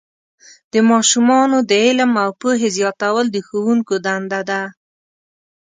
د ماشومانو د علم او پوهې زیاتول د ښوونکو دنده ده.